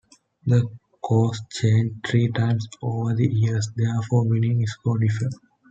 The course changed three times over the years, therefore winning scores differ.